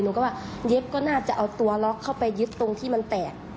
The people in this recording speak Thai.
หนูก็ว่าเย็บก็น่าจะเอาตัวล็อกเข้าไปเย็บตรงที่มันแตก